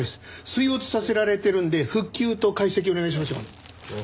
水没させられてるんで復旧と解析お願いしますよ。